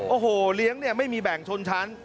โอ้โหเลี้ยงเนี่ยไม่มีแบ่งชนชั้น